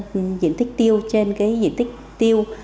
các không có tái canh lại cái diện tích tiêu trên cái diện tích tiêu